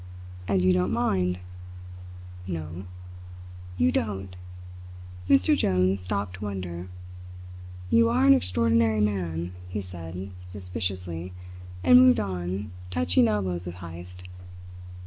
"And you don't mind?" "No!" "You don't!" Mr. Jones stopped to wonder. "You are an extraordinary man," he said suspiciously, and moved on, touching elbows with Heyst.